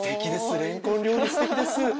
れんこん料理すてきです。